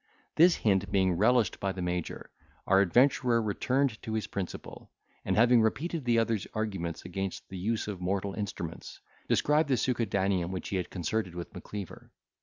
This hint being relished by the major, our adventurer returned to his principal, and having repeated the other's arguments against the use of mortal instruments, described the succedaneum which he had concerted with Macleaver.